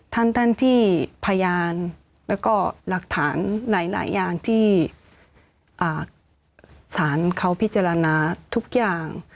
ท่านที่พยานแล้วก็หลักฐานหลายอย่างที่ศาลเขาพิจารณาทุกอย่าง